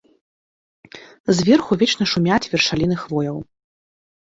Зверху вечна шумяць вершаліны хвояў.